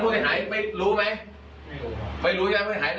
จริงเขาสะพานมาไหมดิแล้วก็ทำช่วยเหมือนไงต่อ